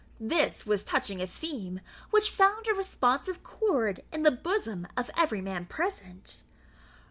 This was touching a theme which found a responsive chord in the bosom of every man present.